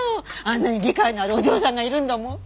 あんなに理解のあるお嬢さんがいるんだもん。